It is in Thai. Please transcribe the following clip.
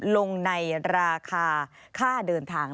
ลงในราคาค่าเดินทาง